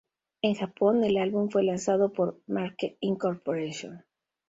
En Japón, el álbum fue lanzado por Marquee Inc.